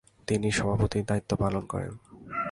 তিনি সভাপতির দায়িত্ব পালন করেন।